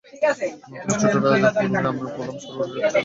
নোয়াখালীর ছোট রাজাপুর গ্রামের গোলাম সরোয়ার রেড চিলির মিষ্টি তৈরির কারিগর।